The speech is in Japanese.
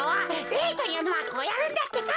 れいというのはこうやるんだってか！